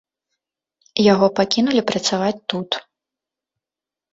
Яго пакінулі працаваць тут.